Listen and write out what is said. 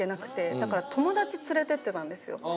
だから友達連れて行ってたんですよ。